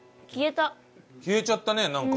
消えちゃったねなんか。